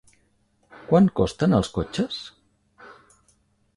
Quant costen els cotxes?